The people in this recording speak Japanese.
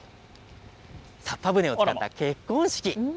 さっぱ舟を使った結婚式。